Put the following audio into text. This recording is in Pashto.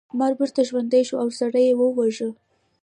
مار بیرته ژوندی شو او سړی یې وواژه.